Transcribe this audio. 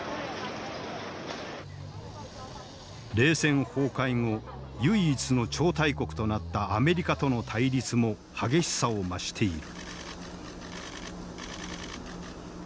冷戦崩壊後唯一の超大国となったアメリカとの対立も激しさを増している。